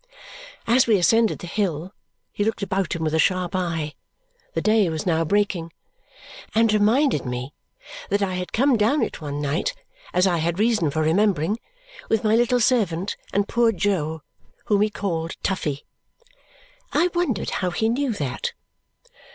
As we ascended the hill, he looked about him with a sharp eye the day was now breaking and reminded me that I had come down it one night, as I had reason for remembering, with my little servant and poor Jo, whom he called Toughey. I wondered how he knew that.